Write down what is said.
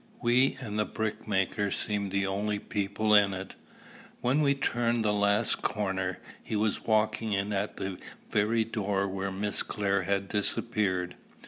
We and the brickmaker seemed the only people in it. When we turned the last corner, he was walking in at the very door where Miss Clare had disappeared.